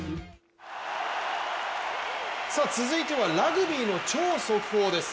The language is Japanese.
続いてはラグビーの超速報です。